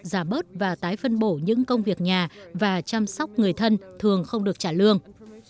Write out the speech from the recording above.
giảm bớt và tái phân bổ những công việc nhà và chăm sóc người thân thường không được trả lương